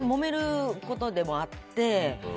もめることでもあって。